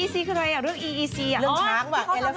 ใช่เรื่องช้าง